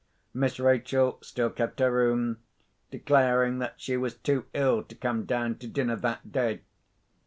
Miss Rachel still kept her room, declaring that she was too ill to come down to dinner that day.